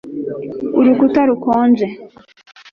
Urukuta rukonje